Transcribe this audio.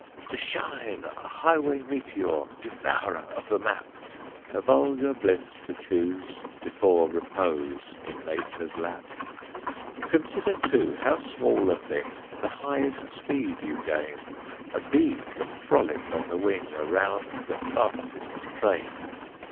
To shine, a highway meteor, Devourer of the map! A vulgar bliss to choose before Repose in Nature's lap! Consider too how small a thing The highest speed you gain: A bee can frolic on the wing Around the fastest train.